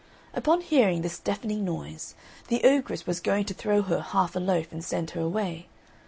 Upon hearing this deafening noise, the ogress was going to throw her half a loaf and send her away.